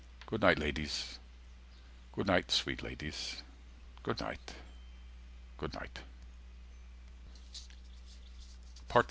Good night, ladies, good night, sweet ladies, good night, good night.